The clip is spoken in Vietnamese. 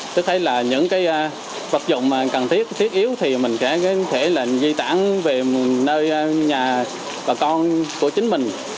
tôi thấy là những cái vật dụng mà cần thiết thiết yếu thì mình sẽ di tản về nơi nhà bà con của chính mình